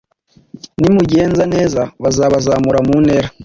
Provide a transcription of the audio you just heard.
nimugenza neza bazabazamura mu ntera